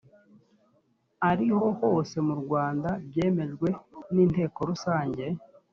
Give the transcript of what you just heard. ariho hose mu rwanda byemejwe n inteko rusange